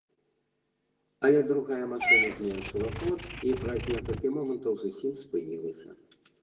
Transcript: Але другая машына зменшыла ход і праз некалькі момантаў зусім спынілася.